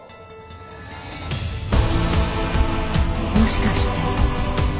もしかして。